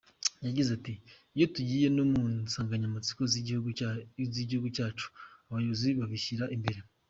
Yagize ati "Iyo tugiye no mu nsanganyamatsiko z’Igihugu cyacu, abayobozi babishyira imbere.